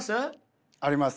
あります。